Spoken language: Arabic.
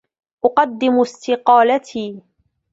أُقدم استقالتي.